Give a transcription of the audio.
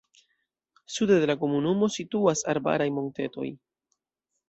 Sude de la komunumo situas arbaraj montetoj.